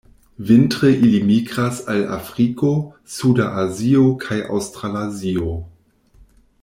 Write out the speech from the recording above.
Vintre ili migras al Afriko, suda Azio kaj Aŭstralazio.